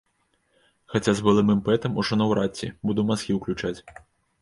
Хаця, з былым імпэтам ужо наўрад ці, буду мазгі ўключаць.